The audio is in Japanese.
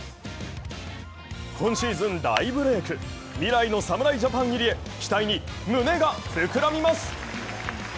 今シーズン大ブレイク、未来の侍ジャパン入りへ、期待に胸が膨らみます。